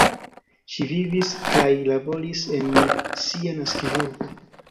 Ŝi vivis kaj laboris en sia naskiĝurbo.